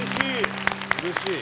うれしい。